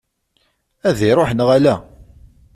Ad iruḥ neɣ ala?